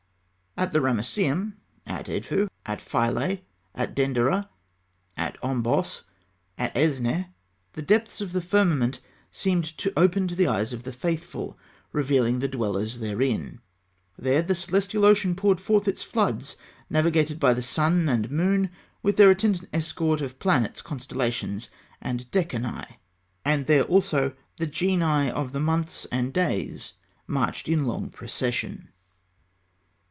At the Ramesseum, at Edfû, at Philae, at Denderah, at Ombos, at Esneh, the depths of the firmament seemed to open to the eyes of the faithful, revealing the dwellers therein. There the celestial ocean poured forth its floods navigated by the sun and moon with their attendant escort of planets, constellations, and decani; and there also the genii of the months and days marched in long procession.